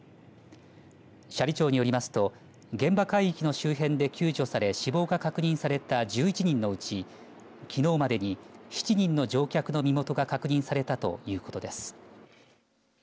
斜里町によりますと現場海域の周辺で救助され死亡が確認された１１人のうちきのうまでに７人の乗客の身元が確認されたということです。